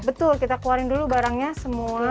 betul kita keluarin dulu barangnya semula